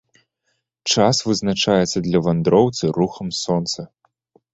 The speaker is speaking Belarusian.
Час вызначаецца для вандроўцы рухам сонца.